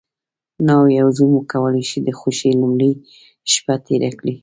ناوې او زوم وکولی شي د خوښۍ لومړۍ شپه تېره کړي.